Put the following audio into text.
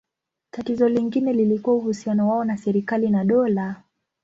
Tatizo lingine lilikuwa uhusiano wao na serikali na dola.